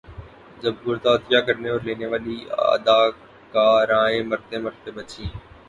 جب گردہ عطیہ کرنے اور لینے والی اداکارائیں مرتے مرتے بچیں